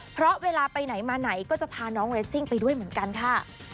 เพราะเวลาไปไหนมาไหนก็จะพาน้องเรสซิ่งไปด้วยเหมือนกันค่ะ